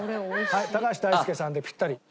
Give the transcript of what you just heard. はい高橋大輔さんでピッタリ。